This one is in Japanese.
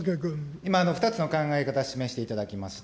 今、２つの考え方、示していただきました。